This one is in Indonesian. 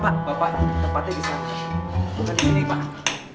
tak apa bapak tempatnya di sana bukan di sini pak